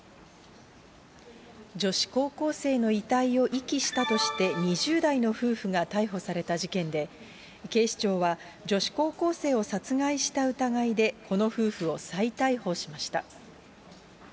女子高校生の遺体を遺棄したとして２０代の夫婦が逮捕された事件で、警視庁は女子高校生を殺害した疑いでこの夫婦を再逮捕しました。